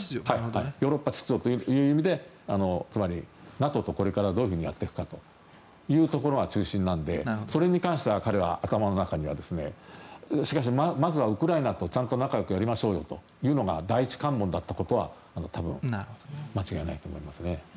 ヨーロッパ秩序という意味でつまり、ＮＡＴＯとこれからどうやっていくかというところが中心なのでそれに関しては彼は頭の中にはしかし、まずはウクライナとちゃんと仲よくやりましょうというのが第一関門だということは間違いないと思いますね。